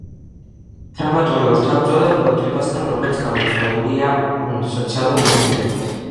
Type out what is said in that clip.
დრამატული ორთაბრძოლა ბოროტებასთან, რომელიც გამოწვეულია სოციალური მოტივებით.